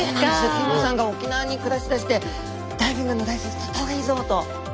見満さんが沖縄に暮らしだしてダイビングのライセンス取った方がいいぞと。